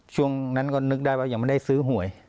ช่วงนั้นก็นึกได้ว่ายังไม่ได้ซื้อหวย